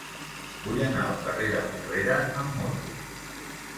Vull anar al carrer de Porrera amb moto.